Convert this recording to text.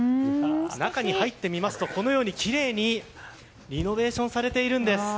中に入ってみますとこのようにきれいにリノベーションされているんです。